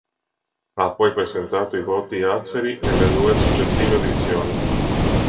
Ha poi presentato i voti azeri nelle due successive edizioni.